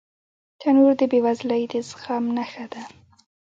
تنور د بې وزلۍ د زغم نښه ده